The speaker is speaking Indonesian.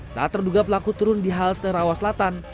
saat terduga pelaku turun di halte rawa selatan